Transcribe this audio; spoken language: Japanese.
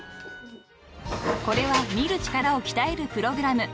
［これは見る力を鍛えるプログラム］